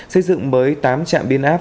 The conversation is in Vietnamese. xây dựng mới tám trạm biên áp